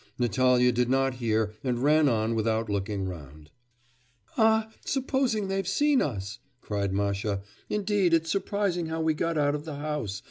Natalya did not hear and ran on without looking round. 'Ah, supposing they've seen us!' cried Masha; 'indeed it's surprising how we got out of the house...